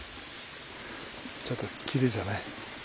ちょっときれいじゃない？